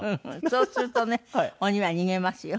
そうするとね鬼は逃げますよ。